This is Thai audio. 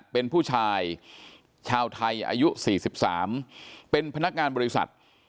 เป็นผู้ชายชาวไทยอายุ๔๓เป็นพนักงานบริษัท